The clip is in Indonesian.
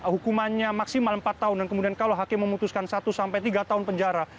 hukumannya maksimal empat tahun dan kemudian kalau hakim memutuskan satu sampai tiga tahun penjara